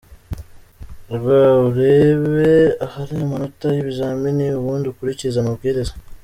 rw, urebe ahari amanota y’ibizamini, ubundi ukurikize amabwiriza.